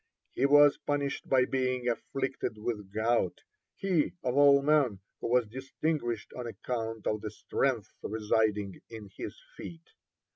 He was punished by being afflicted with gout, he of all men, who was distinguished on account of the strength residing in his feet.